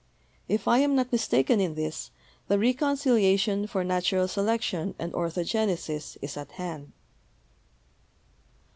If I am not mistaken in this, the recon ciliation for natural selection and orthogenesis is at hand."